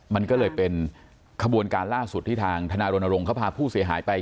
มันก็เลยเป็นขบวนการล่าสุดที่ทางธนารณรงค์เขาพาผู้เสียหายไป